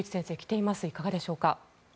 いかがでしょうか。